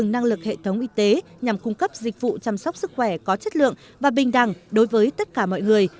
năng lực hệ thống y tế nhằm cung cấp dịch vụ chăm sóc sức khỏe có chất lượng và bình đẳng đối với tất cả mọi người